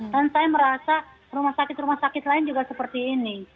dan saya merasa rumah sakit rumah sakit lain juga seperti ini